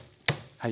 はい。